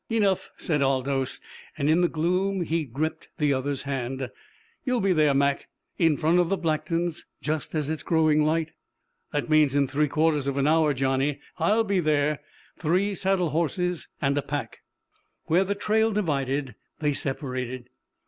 "Enough," said Aldous, and in the gloom he gripped the other's hand. "You'll be there, Mac in front of the Blacktons' just as it's growing light?" "That means in three quarters of an hour, Johnny. I'll be there. Three saddle horses and a pack." Where the trail divided they separated.